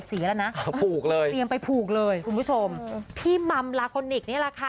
แล้วนะผูกเลยเตรียมไปผูกเลยคุณผู้ชมพี่มัมลาโคนิคนี่แหละค่ะ